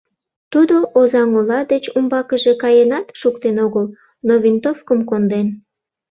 Тудо Озаҥ ола деч умбакыже каенат шуктен огыл, но винтовкым конден.